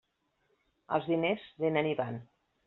Els diners vénen i van.